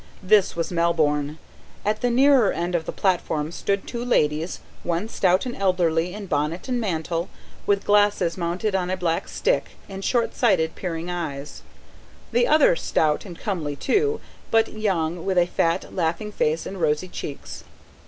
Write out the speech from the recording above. This was Melbourne. At the nearer end of the platform stood two ladies, one stout and elderly in bonnet and mantle, with glasses mounted on a black stick, and shortsighted, peering eyes; the other stout and comely, too, but young, with a fat, laughing face and rosy cheeks.